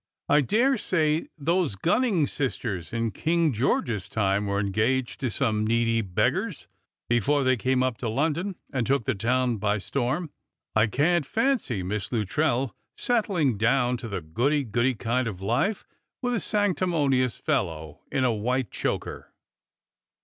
I daresay those Gunning sisters in King George's time were engaged to some needy beggars before they came up to London, and took the town by storm. I can't fancy Miss Luttrell setthng down to the goody goody kind of Ufe, with a sanctimonious fellow in a white choker."